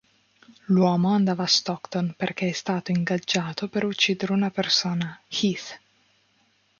L'uomo andava a Stockton perché è stato ingaggiato per uccidere una persona... Heath.